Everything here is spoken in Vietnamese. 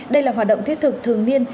đây là hoạt động thiết thực thường niên